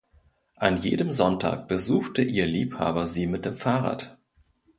An jedem Sonntag besuchte ihr Liebhaber sie mit dem Fahrrad.